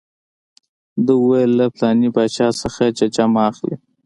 ده وویل له پلانکي باچا څخه ججه مه اخلئ.